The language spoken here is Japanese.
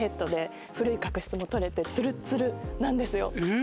え！